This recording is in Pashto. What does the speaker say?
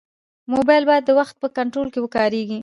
موبایل باید د وخت په کنټرول کې وکارېږي.